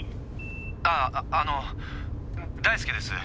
「あっあの大介です。